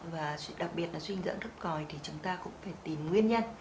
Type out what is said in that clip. và đặc biệt là suy dinh dưỡng thấp còi thì chúng ta cũng phải tìm nguyên nhân